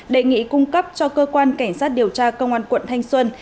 đề nghị cung cấp cho cơ quan cảnh sát điều tra công an quận thanh xuân